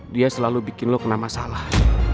dia selalu bikin lo kena masalah